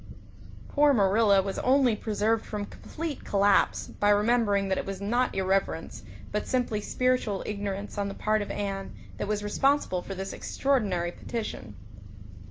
Poor Marilla was only preserved from complete collapse by remembering that it was not irreverence, but simply spiritual ignorance on the part of Anne that was responsible for this extraordinary petition.